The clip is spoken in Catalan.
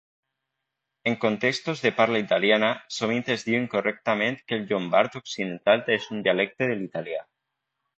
En contextos de parla italiana, sovint es diu incorrectament que el llombard occidental és un dialecte de l'italià.